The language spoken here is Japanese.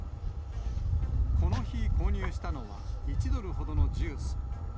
この日購入したのは、１ドルほどのジュース。